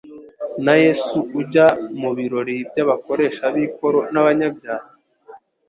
na Yesu ujya mu birori by'abakoresha b'ikoro n'abanyabyaha.